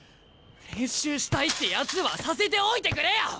練習したいってやつはさせておいてくれよ！